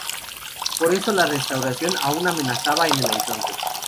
Por eso, la restauración aún amenazaba en el horizonte.